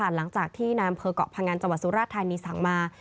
หลังจากที่อำเภอกเต่าถ์เกาะผงัญจังหวัดสุราชธารณีสั่งมา